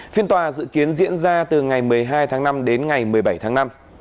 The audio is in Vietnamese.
phiên tòa dự kiến diễn ra từ ngày một mươi hai tháng năm đến ngày một mươi bảy tháng năm